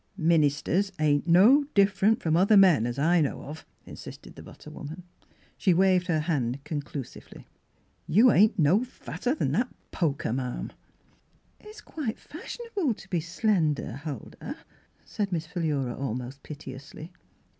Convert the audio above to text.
" Minister's ain't no different from other men, as I know of," insisted the butter woman. She waved her hand conclusively. " You ain't no fatter 'an that poker, ma'am." " It — it's quite fashionable to be slender, Huldah," said Miss Philura, al most piteously.